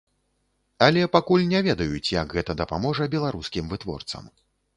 Але пакуль не ведаюць, як гэта дапаможа беларускім вытворцам.